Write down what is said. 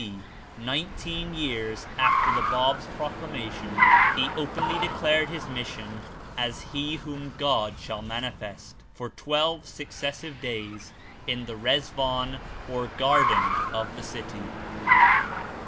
D., nineteen years after the Bab's proclamation, he openly declared his mission as "He whom God shall manifest," for twelve successive days in the Rlzwan or garden of the city.